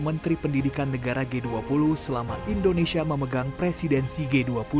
menteri pendidikan negara g dua puluh selama indonesia memegang presidensi g dua puluh